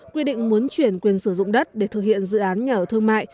quy định muốn chuyển quyền sử dụng đất để thực hiện dự án nhà ở thương mại